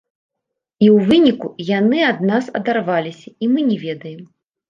І ў выніку яны ад нас адарваліся, і мы не ведаем.